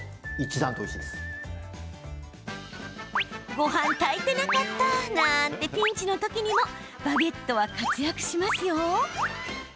ごはん炊いてなかった！なんてピンチの時にもバゲットは活躍しますよ。